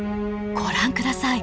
ご覧下さい。